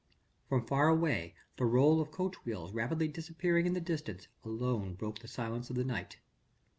From far away the roll of coach wheels rapidly disappearing in the distance alone broke the silence of the night.